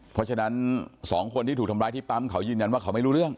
เพราะฉะนั้นสองคนที่ถูกทำร้ายที่ปั๊มเขายืนยันว่าเขาไม่รู้เรื่อง